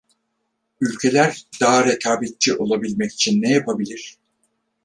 Ülkeler daha rekabetçi olabilmek için ne yapabilir?